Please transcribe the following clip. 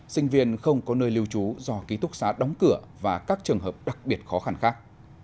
sinh viên không có nơi lưu trú do ký túc xá đóng cửa và các trường hợp đặc biệt khó khăn khác